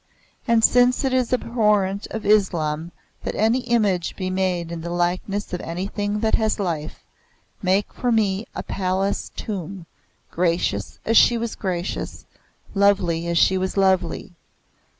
And since it is abhorrent of Islam that any image be made in the likeness of anything that has life, make for me a palace tomb, gracious as she was gracious, lovely as she was lovely.